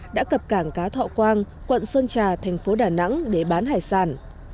đã cập cảng cá thọ quang quận sơn trà thành phố đà nẵng để bán hải sản